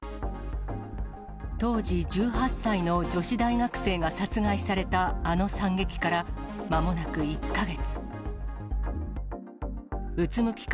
当時１８歳の女子大学生が殺害されたあの惨劇からまもなく１か月。